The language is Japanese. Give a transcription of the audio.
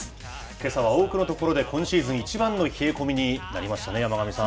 けさは多くの所で、今シーズン一番の冷え込みになりましたね、山神さん。